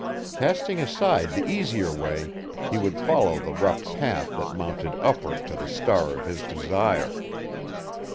Casting aside the easier way, he would follow the rough path that mounted upward to the star of his desire.